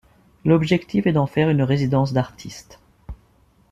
L'objectif est d'en faire une résidence d'artiste.